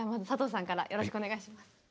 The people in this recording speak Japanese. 佐藤さんからよろしくお願いします。